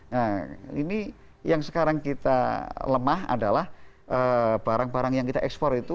nah ini yang sekarang kita lemah adalah barang barang yang kita ekspor itu